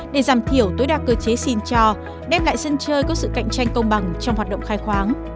để giảm thiểu tối đa cơ chế xin cho đem lại sân chơi có sự cạnh tranh công bằng trong hoạt động khai khoáng